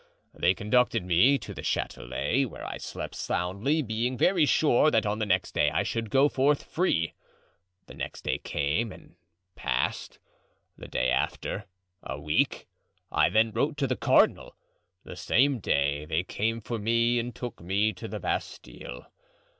They conducted me to the Chatelet, where I slept soundly, being very sure that on the next day I should go forth free. The next day came and passed, the day after, a week; I then wrote to the cardinal. The same day they came for me and took me to the Bastile.